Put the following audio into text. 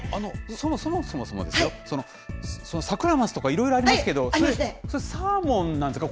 そもそもですよ、そのサクラマスとか、いろいろありますけど、それはサーモンなんですか？